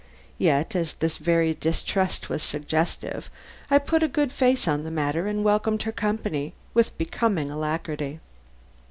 Yet as this very distrust was suggestive, I put a good face on the matter and welcomed her company with becoming alacrity.